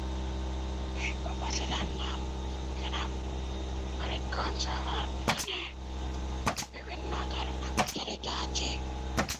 এ উপজেলার নাম কেন ফরিদগঞ্জ হওয়ার পেছনে বিভিন্ন ধারণা প্রচলিত আছে।